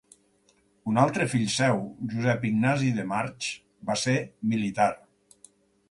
Un altre fill seu, Josep Ignasi de March, va ser militar.